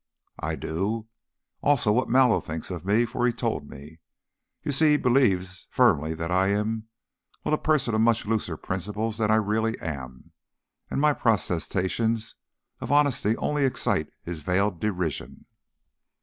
"I do. Also what Mallow thinks of me, for he told me. You see, he believes firmly that I am a well, a person of much looser principles than I really am, and my protestations of honesty only excite his veiled derision."